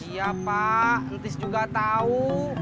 iya pak entis juga tahu